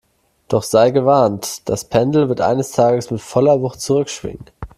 Doch sei gewarnt, das Pendel wird eines Tages mit voller Wucht zurückschwingen!